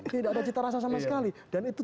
tidak ada cita rasa sama sekali dan itu